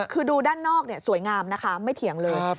คือดูด้านนอกสวยงามนะคะไม่เถียงเลย